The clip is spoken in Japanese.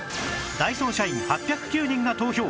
ダイソー社員８０９人が投票